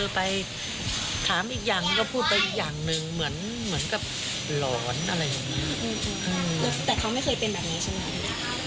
ก็พูดไปอีกอย่างหนึ่งเหมือนเหมือนกับหลอนอะไรอย่างนี้อืมแต่เขาไม่เคยเป็นแบบนี้ใช่ไหม